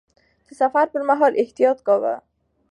د سفر پر مهال احتياط کاوه.